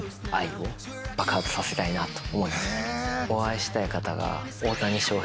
お会いしたい方が。